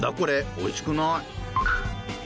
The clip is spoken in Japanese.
おいしくない！